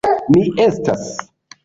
Mi estas.